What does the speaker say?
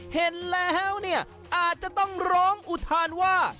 เห็นแล้วเนี่ยอาจจะต้องร้องอุทานว่า